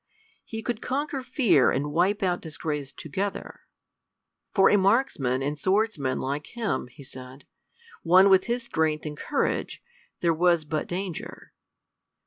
He could conquer fear and wipe out disgrace together. For a marksman and swordsman like him, he said, one with his strength and courage, there was but danger.